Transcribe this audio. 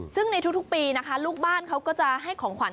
ซึ่งในทุกปีนะคะลูกบ้านเขาก็จะให้ของขวัญ